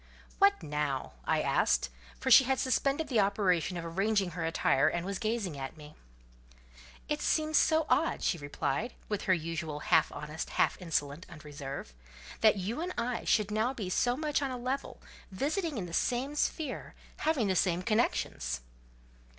"What now?" I asked; for she had suspended the operation of arranging her attire, and was gazing at me. "It seems so odd," she replied, with her usual half honest half insolent unreserve, "that you and I should now be so much on a level, visiting in the same sphere; having the same connections."